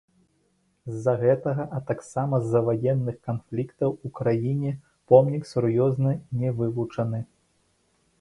З-за гэтага, а таксама з-за ваенных канфліктаў у краіне помнік сур'ёзна не вывучаны.